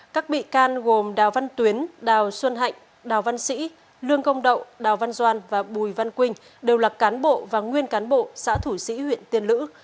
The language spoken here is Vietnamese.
các bị can gồm đào văn tuyến đào xuân hạnh đào văn sĩ lương công đậu đào văn doan và bùi văn quỳnh đều là cán bộ và nguyên cán bộ xã thủ sĩ huyện tiên lữ